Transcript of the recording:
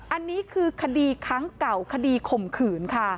อันนี้คือคดีครั้งเก่าคดีข่มขืนค่ะ